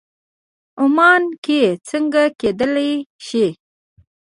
عمان کې څنګه کېدلی شي.